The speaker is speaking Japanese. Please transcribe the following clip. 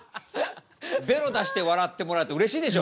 ベロ出して笑ってもらうってうれしいでしょ？